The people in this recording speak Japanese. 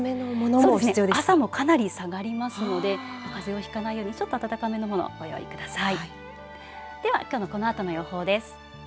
あすもかなり下がりますのでかぜをひかないようにちょっと暖かめのものをご用意ください。